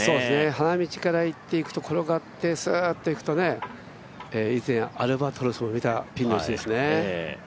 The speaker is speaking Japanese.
花道からいって、転がってスーッといくと、以前、アルバトロスを見たピンの位置ですね。